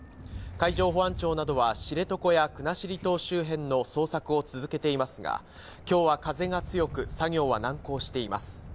海上保安庁などは、知床や国後島周辺の捜索を続けていますが、きょうは風が強く、作業は難航しています。